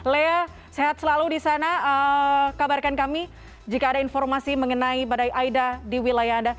lea sehat selalu di sana kabarkan kami jika ada informasi mengenai badai aida di wilayah anda